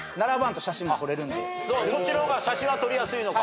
そっちの方が撮りやすいのか。